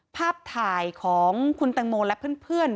ภาพถ่ายของคุณแตงโมและเพื่อน